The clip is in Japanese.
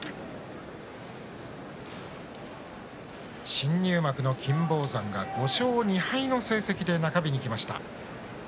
新入幕の金峰山が５勝２敗の成績で中日にきました。